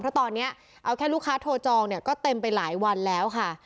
เพราะตอนนี้เอาแค่ลูกค้าโทรจองเนี่ยก็เต็มไปหลายวันแล้วค่ะ